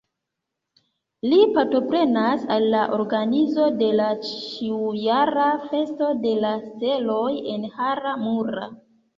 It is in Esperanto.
Li partoprenas al la organizo de la ĉiujara Festo de la Steloj en Hara-mura.